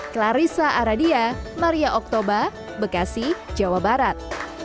clarissa aradia maria oktober bekasi jawa barat